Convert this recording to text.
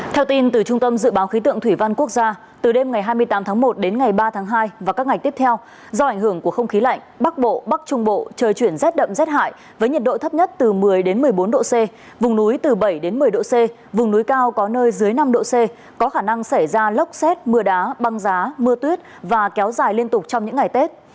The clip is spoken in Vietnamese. theo tin từ trung tâm dự báo khí tượng thủy văn quốc gia từ đêm ngày hai mươi tám tháng một đến ngày ba tháng hai và các ngày tiếp theo do ảnh hưởng của không khí lạnh bắc bộ bắc trung bộ trời chuyển rét đậm rét hại với nhiệt độ thấp nhất từ một mươi đến một mươi bốn độ c vùng núi từ bảy đến một mươi độ c vùng núi cao có nơi dưới năm độ c có khả năng xảy ra lốc xét mưa đá băng giá mưa tuyết và kéo dài liên tục trong những ngày tết